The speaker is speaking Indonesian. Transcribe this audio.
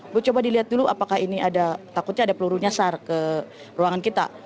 bu coba dilihat dulu apakah ini ada takutnya ada peluru nyasar ke ruangan kita